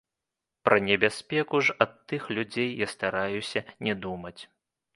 Пра небяспеку ж ад тых людзей я стараюся не думаць.